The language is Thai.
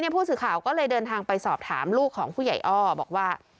ผู้สื่อข่าวก็เลยเดินทางไปสอบถามลูกของผู้ใหญ่อ้อบอกว่า